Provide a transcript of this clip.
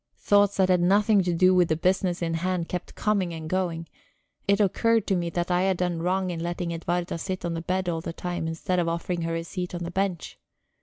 Thoughts that had nothing to do with the business in hand kept coming and going; it occurred to me that I had done wrong in letting Edwarda sit on the bed all the time, instead of offering her a seat on the bench.